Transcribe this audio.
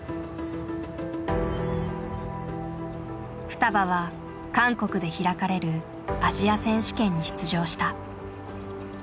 ふたばは韓国で開かれるアジア選手権に出場した。